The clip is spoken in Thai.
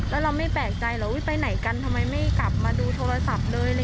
แล้วเราไม่แปลกใจเหรออุ๊ยไปไหนกันทำไมไม่กลับมาดูโทรศัพท์เลย